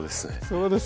そうですか。